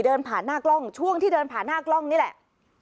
เดินผ่านหน้ากล้องช่วงที่เดินผ่านหน้ากล้องนี่แหละ